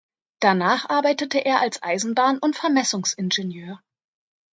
Danach arbeitete er als Eisenbahn- und Vermessungsingenieur.